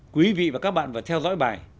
quý vị và các bạn vừa theo dõi bài